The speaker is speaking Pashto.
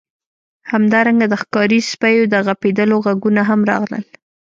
همدارنګه د ښکاري سپیو د غپیدلو غږونه هم راغلل